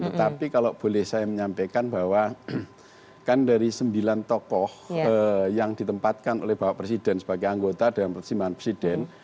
tetapi kalau boleh saya menyampaikan bahwa kan dari sembilan tokoh yang ditempatkan oleh bapak presiden sebagai anggota dan pertimbangan presiden